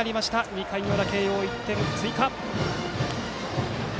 ２回裏、慶応が１点追加。